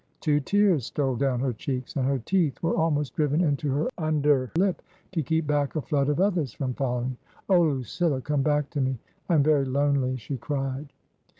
Two tears stole down her cheeks and her teeth were almost driven into her under lip to keep back a flood of others from following. " Oh, Lucilla, come back to me ! I am very lonely !" she cried.